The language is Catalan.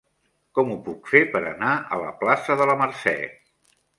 Com ho puc fer per anar a la plaça de la Mercè?